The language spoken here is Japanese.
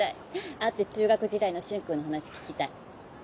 会って中学時代の舜くんの話聞きたい。